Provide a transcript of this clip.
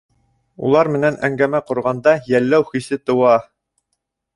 Улар менән әңгәмә ҡорғанда йәлләү хисе тыуа.